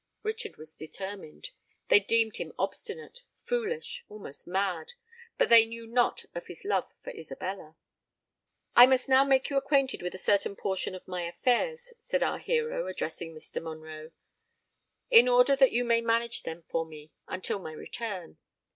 Richard was determined:—they deemed him obstinate—foolish—almost mad; but they knew not of his love for Isabella! "I must now make you acquainted with a certain portion of my affairs," said our hero, addressing Mr. Monroe, "in order that you may manage them for me until my return.